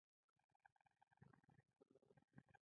یادونه له یو بل سره تړل کېږي.